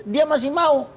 dia masih mau